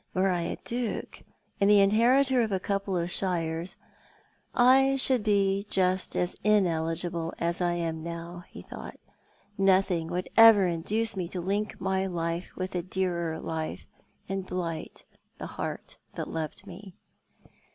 " Were I a Duke, and the inheritor of a couple of shires, I should be just as ineligible as I am now," he thought. " Nothing would ever induce me to link my life with a dearer life, and blight the heart that loved me."